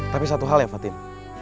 tapi satu hal yang fatin